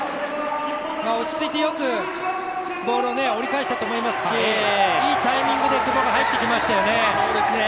落ち着いて、よくボールを折り返したと思いますしいいタイミングで久保が入ってきましたよね。